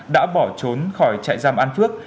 đã bỏ trốn khỏi trại giam an phước